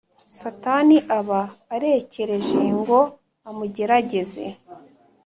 Satani aba arekereje ngo amugerageze